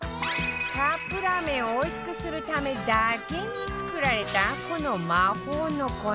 カップラーメンをおいしくするためだけに作られたこの魔法の粉